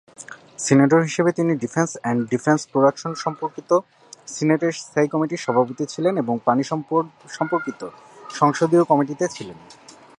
Senator হিসাবে তিনি defence and defence production সম্পর্কিত সিনেটের স্থায়ী কমিটির সভাপতি ছিলেন এবং পানি সম্পদ সম্পর্কিত সংসদীয় কমিটিতে ছিলেন।